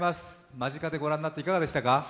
間近で御覧になっていかがでしたか？